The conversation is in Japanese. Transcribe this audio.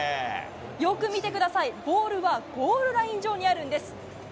よく見てください、ボールはゴールライン上にあるんです。